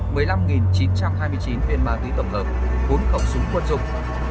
một mươi năm chín trăm hai mươi chín viên mạng tí tổng hợp bốn khẩu súng quân dụng